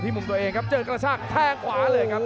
มุมตัวเองครับเจอกระชากแทงขวาเลยครับ